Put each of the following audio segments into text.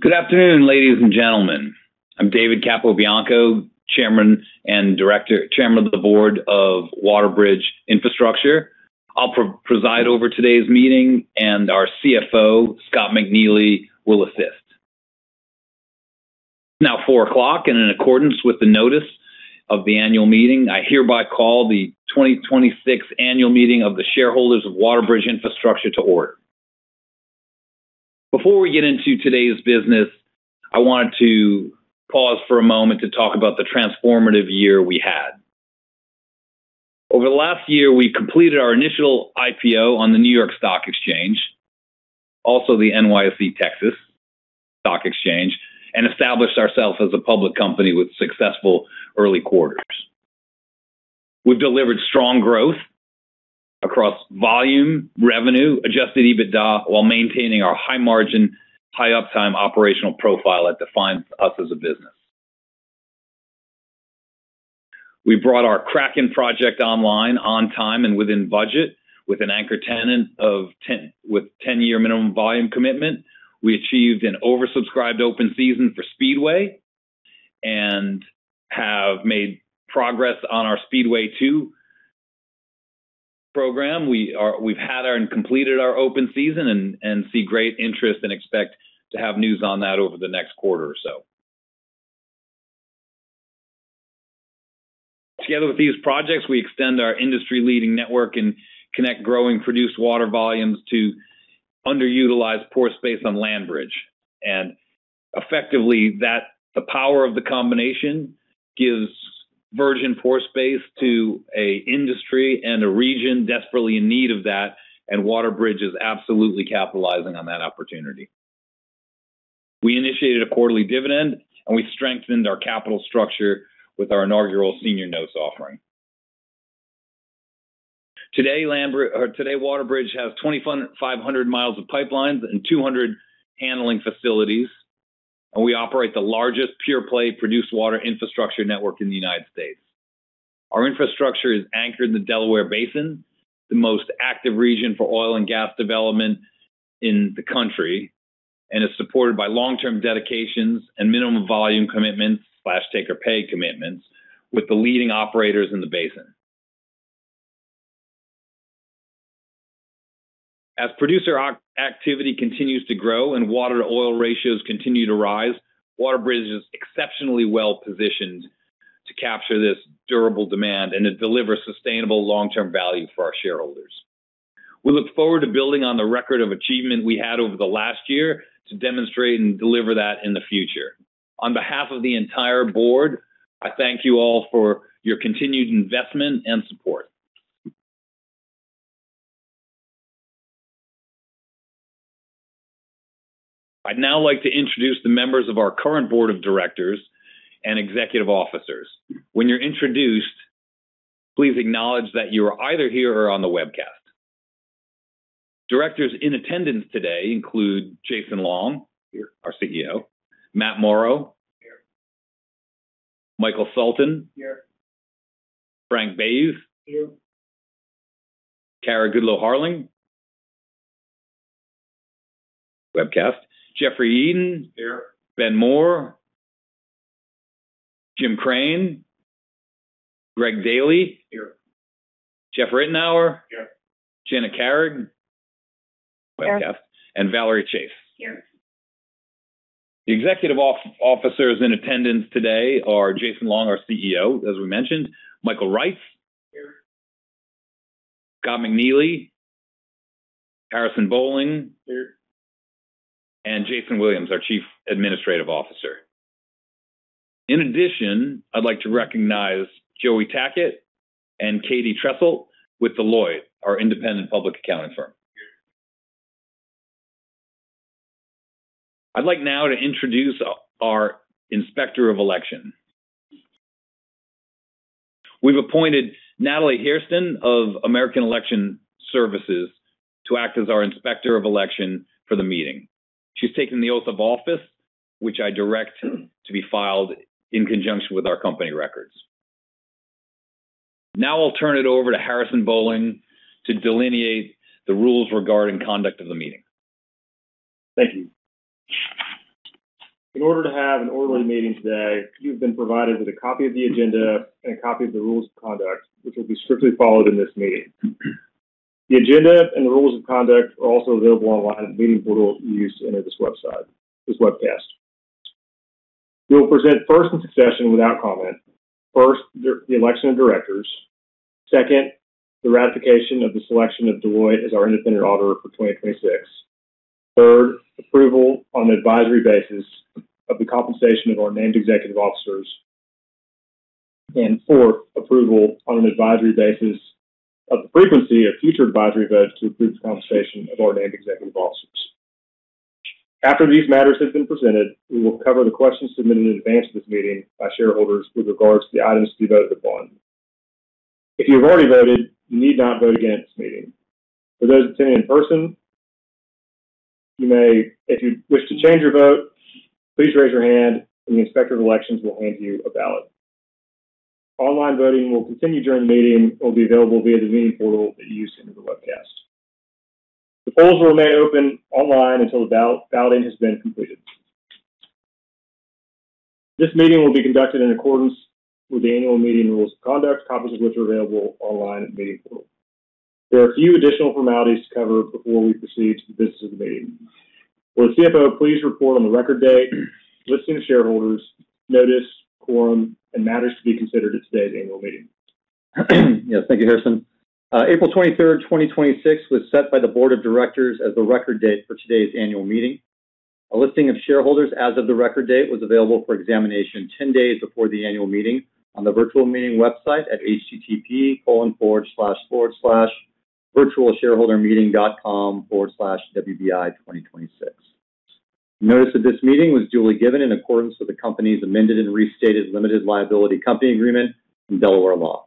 Good afternoon, ladies and gentlemen. I'm David Capobianco, Chairman of the Board of WaterBridge Infrastructure. I'll preside over today's meeting, and our CFO, Scott McNeely, will assist. It's now four o'clock, and in accordance with the notice of the annual meeting, I hereby call the 2026 annual meeting of the shareholders of WaterBridge Infrastructure to order. Before we get into today's business, I wanted to pause for a moment to talk about the transformative year we had. Over the last year, we completed our initial IPO on the New York Stock Exchange, also the NYSE Texas Stock Exchange, and established ourselves as a public company with successful early quarters. We've delivered strong growth across volume, revenue, adjusted EBITDA, while maintaining our high margin, high uptime operational profile that defines us as a business. We brought our Kraken project online on time and within budget with an anchor tenant with 10-year minimum volume commitment. We achieved an oversubscribed open season for Speedway and have made progress on our Speedway II program. We've had and completed our open season and see great interest and expect to have news on that over the next quarter or so. Together with these projects, we extend our industry-leading network and connect growing produced water volumes to underutilized pore space on LandBridge. Effectively, the power of the combination gives virgin pore space to an industry and a region desperately in need of that, and WaterBridge is absolutely capitalizing on that opportunity. We initiated a quarterly dividend, and we strengthened our capital structure with our inaugural senior notes offering. Today, WaterBridge has 2,500 miles of pipelines and 200 handling facilities, and we operate the largest pure-play produced water infrastructure network in the United States. Our infrastructure is anchored in the Delaware Basin, the most active region for oil and gas development in the country, and is supported by long-term dedications and minimum volume commitments/take-or-pay commitments with the leading operators in the basin. As producer activity continues to grow and water-to-oil ratios continue to rise, WaterBridge is exceptionally well-positioned to capture this durable demand and to deliver sustainable long-term value for our shareholders. We look forward to building on the record of achievement we had over the last year to demonstrate and deliver that in the future. On behalf of the entire board, I thank you all for your continued investment and support. I'd now like to introduce the members of our current board of directors and executive officers. When you're introduced, please acknowledge that you are either here or on the webcast. Directors in attendance today include Jason Long. Here. Our CEO. Matt Morrow. Here. Michael Sulton. Here. Frank Bayouth. Here. Kara Goodloe Harling. Webcast. Jeffrey Eaton. Here. Ben Moore. Jim Crane. Greg Daily. Here. Jeffrey Ritenour. Here. Janet Carrig. Here. Webcast. Valerie Chase. Here. The executive officers in attendance today are Jason Long, our CEO, as we mentioned, Michael Reitz. Here. Scott McNeely. Harrison Bolling. Here. Jason Williams, our Chief Administrative Officer. In addition, I'd like to recognize Joe Tackett and [Katie Tressel] with Deloitte, our independent public accounting firm. Here. I'd like now to introduce our inspector of election. We've appointed Natalie Hairston of American Election Services to act as our inspector of election for the meeting. She's taken the oath of office, which I direct to be filed in conjunction with our company records. Now I'll turn it over to Harrison Bolling to delineate the rules regarding conduct of the meeting. Thank you. In order to have an orderly meeting today, you've been provided with a copy of the agenda and a copy of the rules of conduct, which will be strictly followed in this meeting. The agenda and rules of conduct are also available online at the meeting portal you used to enter this webcast. We will present first in succession without comment. First, the election of directors. Second, the ratification of the selection of Deloitte as our independent auditor for 2026. Third, approval on an advisory basis of the compensation of our named executive officers. Fourth, approval on an advisory basis of the frequency of future advisory votes to approve the compensation of our named executive officers. After these matters have been presented, we will cover the questions submitted in advance of this meeting by shareholders with regards to the items to be voted upon. If you have already voted, you need not vote again at this meeting. For those attending in person, if you wish to change your vote, please raise your hand and the inspector of elections will hand you a ballot. Online voting will continue during the meeting and will be available via the meeting portal that you use into the webcast. The polls will remain open online until the balloting has been completed. This meeting will be conducted in accordance with the annual meeting rules of conduct, copies of which are available online at the meeting portal. There are a few additional formalities to cover before we proceed to the business of the meeting. Will the CFO please report on the record date, listing of shareholders, notice, quorum, and matters to be considered at today's annual meeting? Yes. Thank you, Harrison. April 23rd, 2026, was set by the board of directors as the record date for today's annual meeting. A listing of shareholders as of the record date was available for examination 10 days before the annual meeting on the virtual meeting website at http://virtualshareholdermeeting.com/wbi2026. Notice of this meeting was duly given in accordance with the company's amended and restated limited liability company agreement in Delaware law.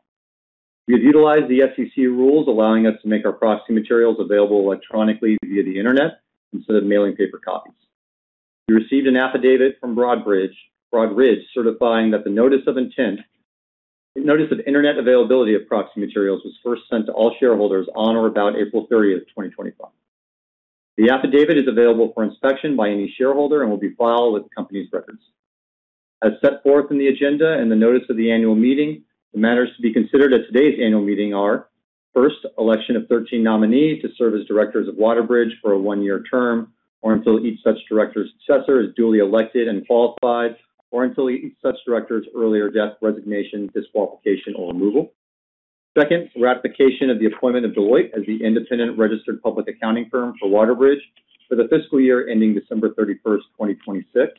We have utilized the SEC rules allowing us to make our proxy materials available electronically via the Internet instead of mailing paper copies. You received an affidavit from Broadridge certifying that the notice of Internet availability of proxy materials was first sent to all shareholders on or about April 30th, 2025. The affidavit is available for inspection by any shareholder and will be filed with the company's records. As set forth in the agenda and the notice of the annual meeting, the matters to be considered at today's annual meeting are, first, election of 13 nominees to serve as directors of WaterBridge for a one-year term, or until each such director's successor is duly elected and qualified, or until each such director's earlier death, resignation, disqualification, or removal. Second, ratification of the appointment of Deloitte as the independent registered public accounting firm for WaterBridge for the fiscal year ending December 31st, 2026.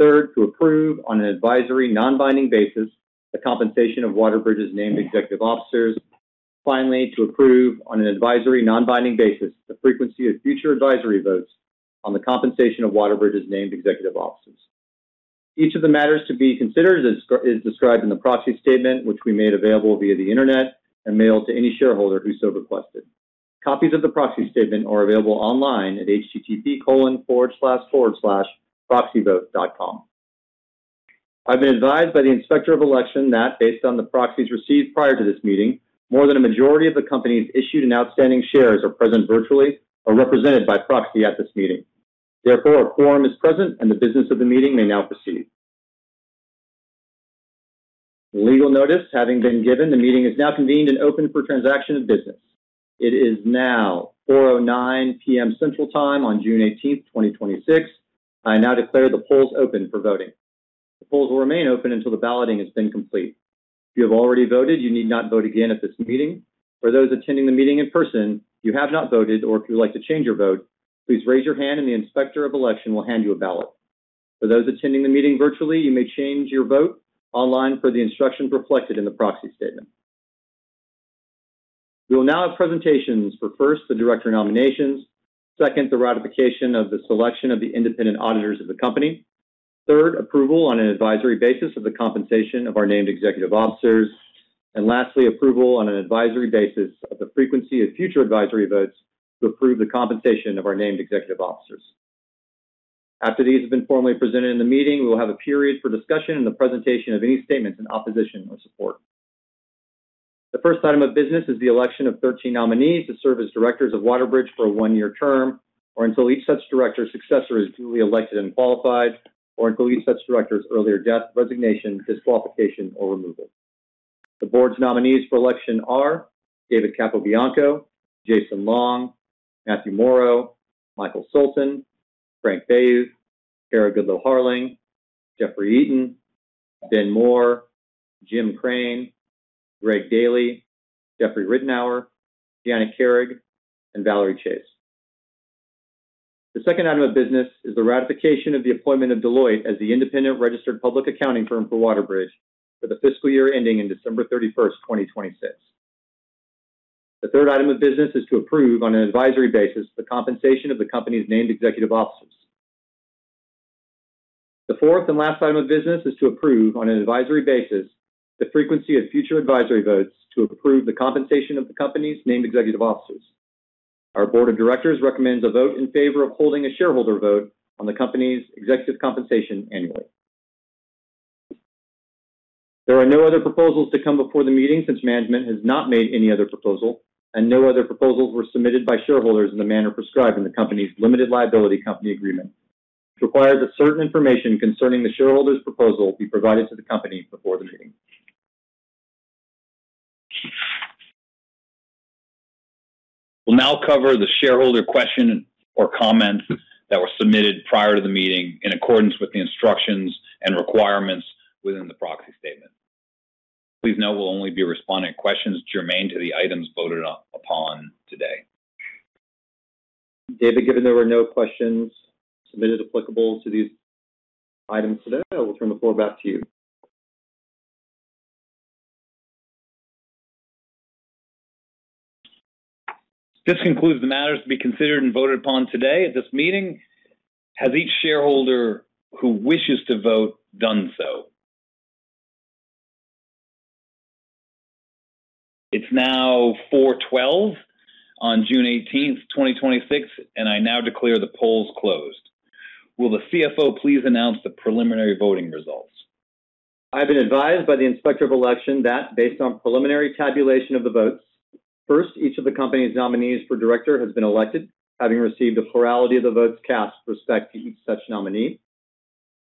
Third, to approve on an advisory, non-binding basis the compensation of WaterBridge's named executive officers. Finally, to approve on an advisory, non-binding basis the frequency of future advisory votes on the compensation of WaterBridge's named executive officers. Each of the matters to be considered is described in the proxy statement, which we made available via the Internet and mailed to any shareholder who so requested. Copies of the proxy statement are available online at http://proxyvote.com. I've been advised by the Inspector of Election that based on the proxies received prior to this meeting, more than a majority of the company's issued and outstanding shares are present virtually or represented by proxy at this meeting. Therefore, a quorum is present and the business of the meeting may now proceed. Legal notice having been given, the meeting is now convened and open for transaction of business. It is now 4:09 P.M. Central Time on June 18th, 2026. I now declare the polls open for voting. The polls will remain open until the balloting has been complete. If you have already voted, you need not vote again at this meeting. For those attending the meeting in person, if you have not voted or if you would like to change your vote, please raise your hand and the Inspector of Election will hand you a ballot. For those attending the meeting virtually, you may change your vote online per the instructions reflected in the proxy statement. We will now have presentations for, first, the director nominations, second, the ratification of the selection of the independent auditors of the company, third, approval on an advisory basis of the compensation of our named executive officers, and lastly, approval on an advisory basis of the frequency of future advisory votes to approve the compensation of our named executive officers. After these have been formally presented in the meeting, we will have a period for discussion and the presentation of any statements in opposition or support. The first item of business is the election of 13 nominees to serve as directors of WaterBridge for a one-year term, or until each such director's successor is duly elected and qualified, or until each such director's earlier death, resignation, disqualification, or removal. The board's nominees for election are David Capobianco, Jason Long, Matthew Morrow, Michael Sulton, Frank Bayouth, Kara Goodloe Harling, Jeffrey Eaton, Ben Moore, Jim Crane, Greg Daily, Jeffrey Ritenour, Janet Carrig, and Valerie Chase. The second item of business is the ratification of the appointment of Deloitte as the independent registered public accounting firm for WaterBridge for the fiscal year ending in December 31st, 2026. The third item of business is to approve, on an advisory basis, the compensation of the company's named executive officers. The fourth and last item of business is to approve, on an advisory basis, the frequency of future advisory votes to approve the compensation of the company's named executive officers. Our board of directors recommends a vote in favor of holding a shareholder vote on the company's executive compensation annually. There are no other proposals to come before the meeting since management has not made any other proposal and no other proposals were submitted by shareholders in the manner prescribed in the company's limited liability company agreement. It requires that certain information concerning the shareholders' proposal be provided to the company before the meeting. We'll now cover the shareholder question or comments that were submitted prior to the meeting in accordance with the instructions and requirements within the proxy statement. Please note we'll only be responding to questions germane to the items voted upon today. David, given there were no questions submitted applicable to these items today, I will turn the floor back to you. This concludes the matters to be considered and voted upon today at this meeting. Has each shareholder who wishes to vote done so? It's now 4:12 P.M. on June 18th, 2026, I now declare the polls closed. Will the CFO please announce the preliminary voting results? I have been advised by the Inspector of Election that based on preliminary tabulation of the votes, first, each of the company's nominees for director has been elected, having received a plurality of the votes cast with respect to each such nominee.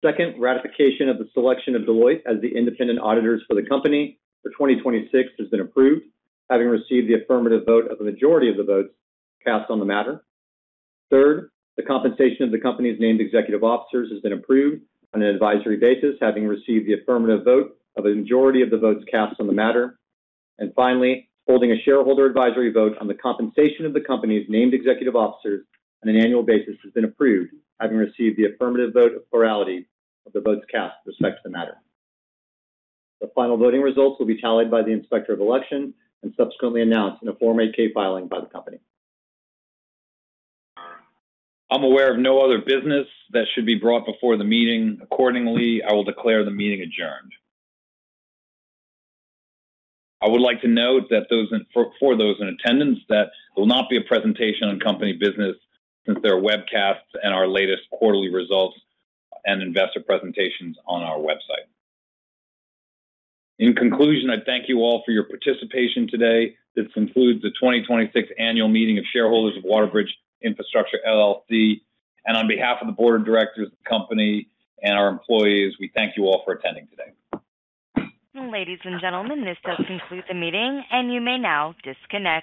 Second, ratification of the selection of Deloitte as the independent auditors for the company for 2026 has been approved, having received the affirmative vote of a majority of the votes cast on the matter. Third, the compensation of the company's named executive officers has been approved on an advisory basis, having received the affirmative vote of a majority of the votes cast on the matter. Finally, holding a shareholder advisory vote on the compensation of the company's named executive officers on an annual basis has been approved, having received the affirmative vote of plurality of the votes cast with respect to the matter. The final voting results will be tallied by the Inspector of Election and subsequently announced in a Form 8-K filing by the company. I'm aware of no other business that should be brought before the meeting. Accordingly, I will declare the meeting adjourned. I would like to note that for those in attendance, that there will not be a presentation on company business since there are webcasts and our latest quarterly results and investor presentations on our website. In conclusion, I thank you all for your participation today. This concludes the 2026 annual meeting of shareholders of WaterBridge Infrastructure LLC. On behalf of the board of directors of the company and our employees, we thank you all for attending today. Ladies and gentlemen, this does conclude the meeting, and you may now disconnect